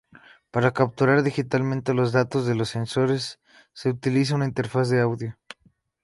Para capturar digitalmente los datos de los sensores se utiliza una interfaz de audio.